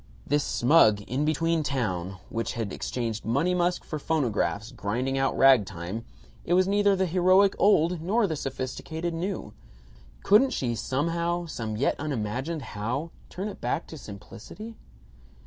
This smug in between town, which had exchanged "Money Musk" for phonographs grinding out ragtime, it was neither the heroic old nor the sophisticated new. Couldn't she somehow, some yet unimagined how, turn it back to simplicity?